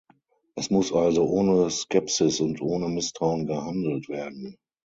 Es muss also ohne Skepsis und ohne Misstrauen gehandelt werden.